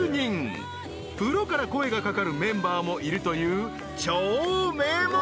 ［プロから声がかかるメンバーもいるという超名門］